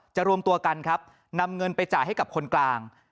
รวมตัวกันครับนำเงินไปจ่ายให้กับคนกลาง